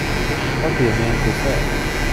What do you mean to say?